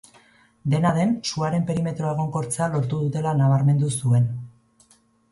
Dena den, suaren perimetroa egonkortzea lortu dutela nabarmendu zuen.